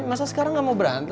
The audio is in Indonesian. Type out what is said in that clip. masa sekarang gak mau berantem